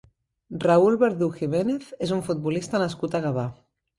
Raúl Verdú Giménez és un futbolista nascut a Gavà.